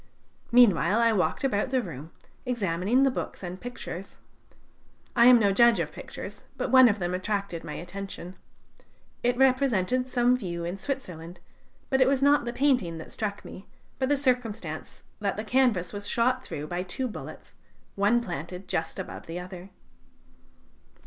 Meanwhile, I walked about the room, examining the books and pictures. I am no judge of pictures, but one of them attracted my attention. It represented some view in Switzerland, but it was not the painting that struck me, but the circumstance that the canvas was shot through by two bullets, one planted just above the other.